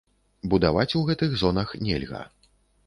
Будаваць у гэтых зонах нельга.